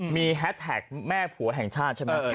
มีแฮสแท็กแม่ผัวแห่งชาติใช่ไหม